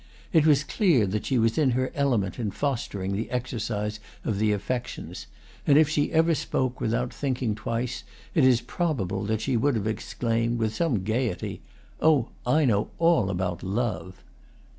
It was clear that she was in her element in fostering the exercise of the affections, and if she ever spoke without thinking twice it is probable that she would have exclaimed, with some gaiety, "Oh, I know all about love!"